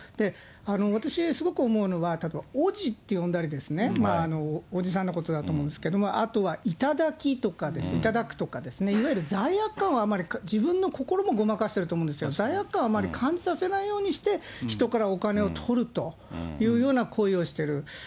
私すごく思うのは、おぢって呼んだりですね、おじさんのことだと思うんですけど、あとは頂きとかですね、頂くとかですね、いわゆる罪悪感はあまり、自分の心もごまかしてると思うんですけど、罪悪感をあんまり感じさせないようにして、人からお金をとるというような行為をしてる。